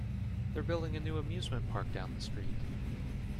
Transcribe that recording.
They're building a new amusement park down the street.